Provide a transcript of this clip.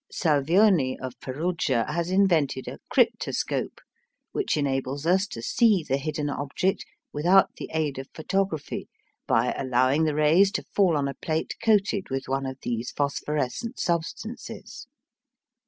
Salvioni of Perugia has invented a "cryptoscope," which enables us to see the hidden object without the aid of photography by allowing the rays to fall on a plate coated with one of these phosphorescent substances.